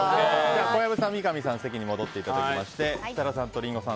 小籔さん、三上さんは席に戻っていただいて設楽さんとリンゴさん